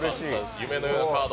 夢のようなカード。